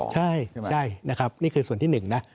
ใช่นี่คือส่วนที่หนึ่งนะ